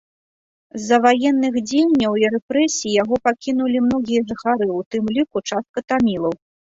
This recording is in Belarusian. З-за ваенных дзеянняў і рэпрэсій яго пакінулі многія жыхары, у тым ліку частка тамілаў.